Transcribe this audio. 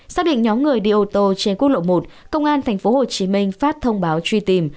xác định nhóm người đi ô tô trên quốc lộ một công an tp hcm phát thông báo truy tìm